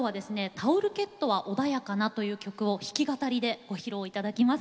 「タオルケットは穏やかな」という曲を弾き語りでご披露頂きます。